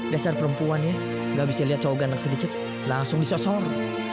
dasar perempuannya gak bisa lihat cowok ganak sedikit langsung disosor